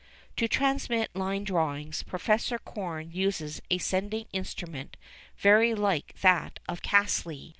To transmit line drawings, Professor Korn uses a sending instrument very like that of Caselli.